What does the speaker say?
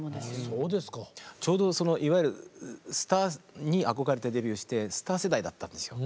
ちょうどいわゆるスターに憧れてデビューしてスター世代だったんですよ。